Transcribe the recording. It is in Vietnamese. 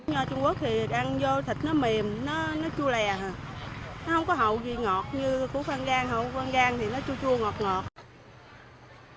nho trung quốc thì ăn vô thịt nó mềm nó chua lè nó không có hậu gì ngọt như của phan giang hậu của phan giang thì nó chua chua ngọt ngọt